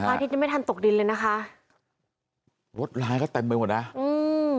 อาทิตยังไม่ทันตกดินเลยนะคะรถร้ายก็เต็มไปหมดนะอืม